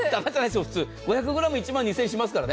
普通５００ｇ１万２０００円しますからね。